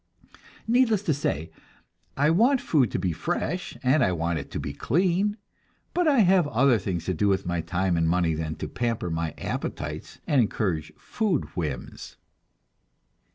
Needless to say, I want food to be fresh, and I want it to be clean, but I have other things to do with my time and money than to pamper my appetites and encourage food whims.